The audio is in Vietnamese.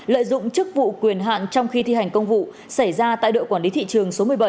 lợi dụng chức vụ quyền hạn trong khi thi hành công vụ xảy ra tại đội quản lý thị trường số một mươi bảy